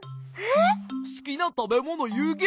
えっ？